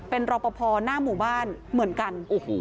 เป็นรอปภหน้าหมู่บ้านเหมือนกัน